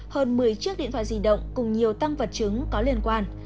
hơn một mươi chiếc điện thoại di động cùng nhiều tăng vật chứng có liên quan